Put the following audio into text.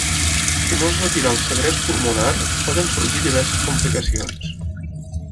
Si no es retira el segrest pulmonar, poden sorgir diverses complicacions.